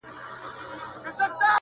څوك به اوري كرامت د دروېشانو-